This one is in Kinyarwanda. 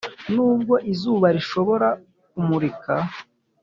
nubwo izuba rishobora kumurika,